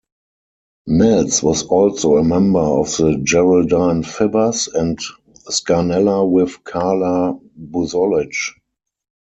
Nels was also a member of the Geraldine Fibbers and Scarnella with Carla Bozulich.